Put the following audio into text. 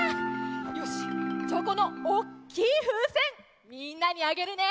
よしじゃあこのおっきいふうせんみんなにあげるね！